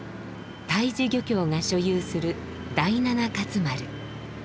太地漁協が所有する第七勝丸。